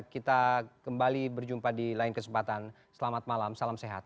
kita kembali berjumpa di lain kesempatan selamat malam salam sehat